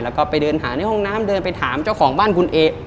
แล้วก็ไปเดินหาในห้องน้ำเดินไปถามเจ้าของบ้านคุณเอ